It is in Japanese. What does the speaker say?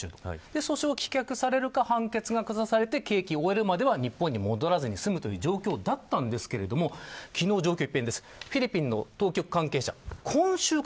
訴訟が棄却されるか判決がくだされて刑期を終えるまでは日本には戻らずに済むという状況だったんですけど昨日、状況が一変です。